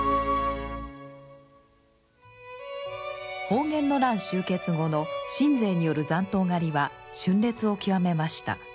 保元の乱終結後の信西による残党狩りはしゅん烈を極めました。